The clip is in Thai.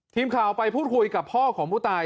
ทีมข่าวไปพูดคุยกับพ่อของผู้ตาย